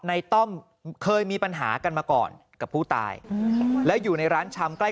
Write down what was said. ต้อมเคยมีปัญหากันมาก่อนกับผู้ตายแล้วอยู่ในร้านชำใกล้